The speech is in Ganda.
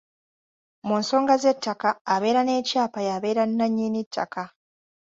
Mu nsonga z'ettaka abeera n’ekyapa y’abeera nnannyini ttaka.